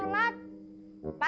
ini adalah tempat